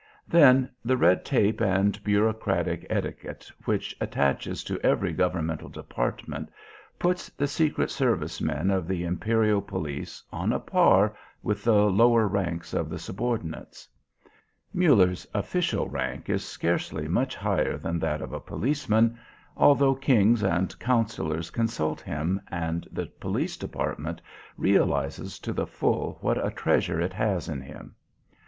Then, the red tape and bureaucratic etiquette which attaches to every governmental department, puts the secret service men of the Imperial police on a par with the lower ranks of the subordinates. Muller's official rank is scarcely much higher than that of a policeman, although kings and councillors consult him and the Police Department realises to the full what a treasure it has in him.